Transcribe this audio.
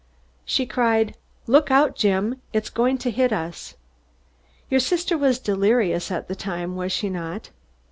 "She cried, 'Look out, Jim! It's going to hit us!'" "Your sister was delirious at the time, was she not?"